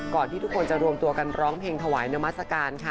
ที่ทุกคนจะรวมตัวกันร้องเพลงถวายนามัศกาลค่ะ